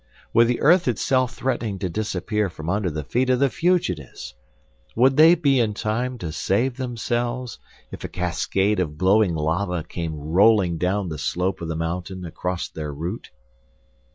With the earth itself threatening to disappear from under the feet of the fugitives! Would they be in time to save themselves, if a cascade of glowing lava came rolling down the slope of the mountain across their route?